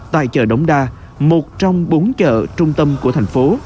tại chợ đống đa một trong bốn chợ trung tâm của thành phố